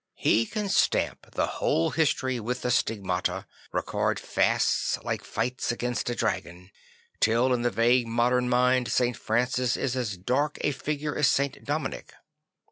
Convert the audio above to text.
He can stamp the whole history with the Stig mata, record fasts like fights against a dragon; till in the vague modern mind St. Francis is as dark a figure as St. Dominic.